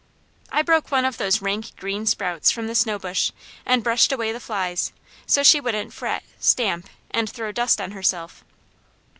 I broke one of those rank green sprouts from the snowball bush and brushed away the flies, so she wouldn't fret, stamp, and throw dust on herself.